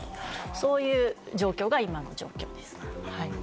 そういう状況が今の状況です。